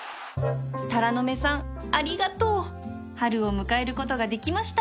タラの芽さんありがとう春を迎えることができました